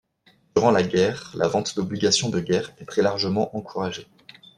Durant la guerre, la vente d'obligations de guerre est très largement encouragée.